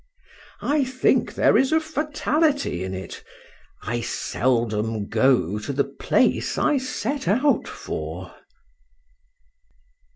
I think there is a fatality in it;—I seldom go to the place I set out for.